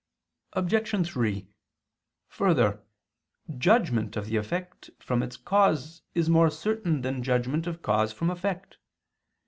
Obj. 3: Further, judgment of the effect from its cause is more certain than judgment of cause from effect.